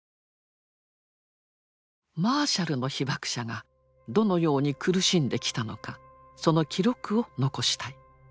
マーシャルの被ばく者がどのように苦しんできたのかその記録を残したい。